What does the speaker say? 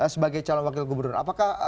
sebagai calon wakil gubernur apakah